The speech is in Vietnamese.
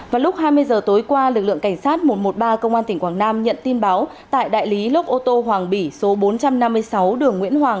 vào lúc hai mươi giờ tối qua lực lượng cảnh sát một trăm một mươi ba công an tỉnh quảng nam nhận tin báo tại đại lý lốc ô tô hoàng bỉ số bốn trăm năm mươi sáu đường nguyễn hoàng